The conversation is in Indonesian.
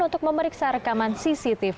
untuk memeriksa rekaman cctv